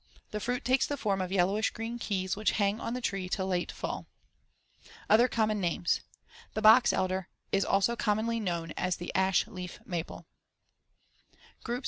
The fruit takes the form of yellowish green keys which hang on the tree till late fall. Other common names: The box elder is also commonly known as the ash leaf maple. GROUP VI.